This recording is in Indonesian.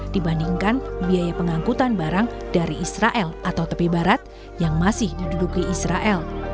dibandingkan biaya pengangkutan barang dari israel atau tepi barat yang masih diduduki israel